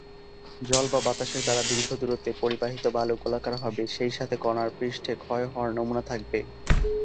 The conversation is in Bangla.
জল বা বাতাসের দ্বারা দীর্ঘ দূরত্বে পরিবাহিত বালু গোলাকার হবে, সেই সাথে কণার পৃষ্ঠে ক্ষয় হওয়ার নমুনা থাকবে।